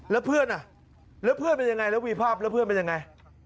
แล้วเพื่อนอ่ะแล้วเพื่อนเป็นยังไงแล้ววีภาพแล้วเพื่อนเป็นยังไง